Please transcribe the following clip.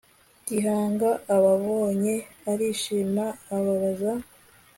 Gihanga ababonye arishima ababaza